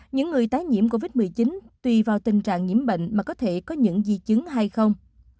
những người tái nhiễm covid một mươi chín tùy vào tình trạng nhiễm bệnh mà có thể có những di chứng hay không